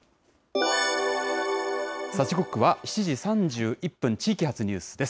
時刻は７時３１分、地域発ニュースです。